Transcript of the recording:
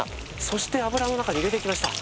そして油の中に入れていきました